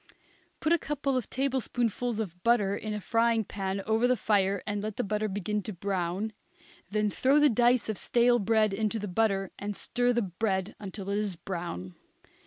Put a couple of tablespoonfuls of butter in a frying pan over the fire and let the butter begin to brown, then throw the dice of stale bread into the butter and stir the bread until it is brown.